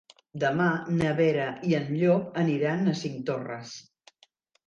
Demà na Vera i en Llop aniran a Cinctorres.